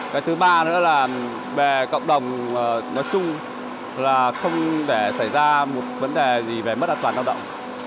cái thứ ba nữa là về cộng đồng nói chung là không để xảy ra một vấn đề gì về mất an toàn lao động